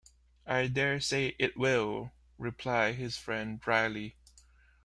‘I dare say it will,’ replied his friend dryly.